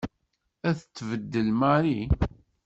Ad t-tbeddel Mary.